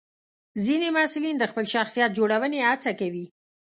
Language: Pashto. ځینې محصلین د خپل شخصیت جوړونې هڅه کوي.